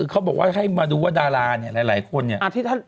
เขาบอกว่าให้มาดูว่าดาราเนี่ยหลายคนเนี่ย